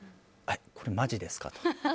これ、マジですかと。